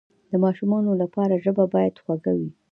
د ماشومانو لپاره ژبه باید خوږه وي.